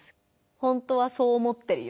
「本当はそう思ってるよ。